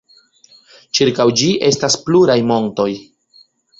Ĉirkaŭ ĝi estas pluraj montoj.